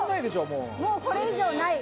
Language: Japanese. もうこれ以上ない。